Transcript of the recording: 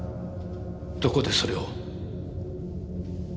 どこでそれを？